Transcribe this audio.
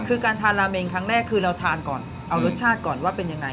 คือการทานราเมงครั้งแรกคือเราทานก่อนเอารสชาติก่อนว่าเป็นยังไง